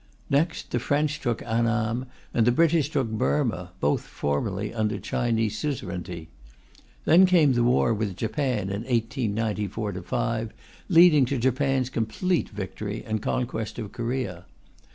Next, the French took Annam and the British took Burma, both formerly under Chinese suzerainty. Then came the war with Japan in 1894 5, leading to Japan's complete victory and conquest of Korea.